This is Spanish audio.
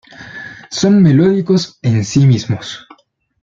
Son melódicos en sí mismos.